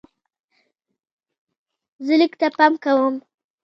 زه لیک ته پام کوم.